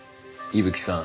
伊吹さん！